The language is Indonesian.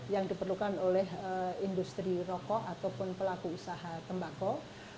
yang diperlukan oleh industri rokok ataupun pelaku usaha tembakau